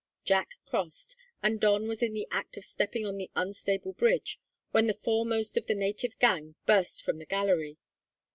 Jack crossed, and Don was in the act of stepping on the unstable bridge, when the foremost of the native gang burst from the gallery.